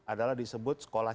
adalah disebut sekolah